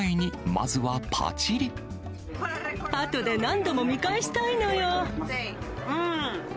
あとで何度も見返したいのよ。